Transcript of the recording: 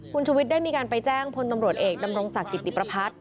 คุณชุวิตได้มีการไปแจ้งพลตำรวจเอกดำรงศักดิ์กิติประพัฒน์